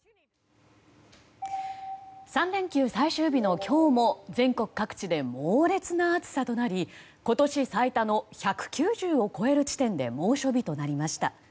３連休最終日の今日も全国各地で猛烈な暑さとなり今年最多の１９０を超える地点で猛暑日となりました。